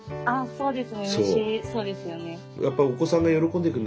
そうですね